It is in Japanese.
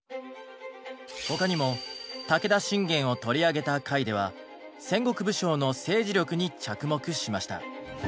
他にも武田信玄を取り上げた回では戦国武将の政治力に着目しました。